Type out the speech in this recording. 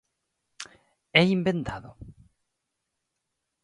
É inventado?